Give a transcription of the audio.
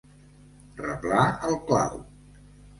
Reblar el clau.